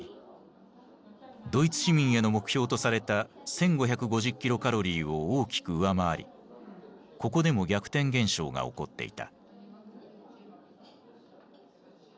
ドイツ市民への目標とされた１，５５０キロカロリーを大きく上回りここでも逆転現象が起こっていた。